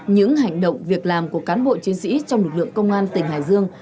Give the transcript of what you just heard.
những hành động việc làm của cán bộ chiến sĩ trong lực lượng công an tỉnh hải dương